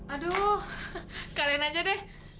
aduh kalian aja deh